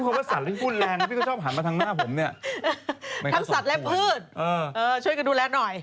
ทั้งสัตว์และพืชช่วยกันดูแลหน่อย